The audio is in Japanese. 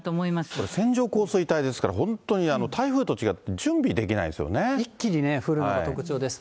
これ、線状降水帯ですから、本当に台風と違って、準備できな一気に降るのが特徴です。